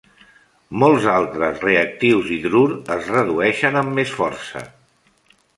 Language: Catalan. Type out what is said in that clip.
Molts altres reactius d'hidrur es redueixen amb més força.